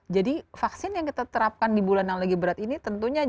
jadi vaksin yang kita terapkan di bulan yang lagi berat ini tentunya juga